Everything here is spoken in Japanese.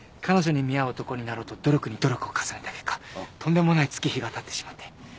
彼女に見合う男になろうと努力に努力を重ねた結果とんでもない月日がたってしまって。